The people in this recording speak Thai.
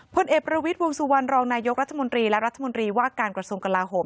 พลเอกประวิทย์วงสุวรรณรองนายกรัฐมนตรีและรัฐมนตรีว่าการกระทรวงกลาโหม